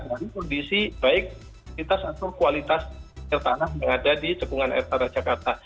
dari kondisi baik kitas atau kualitas air tanah yang ada di cekungan air tanah jakarta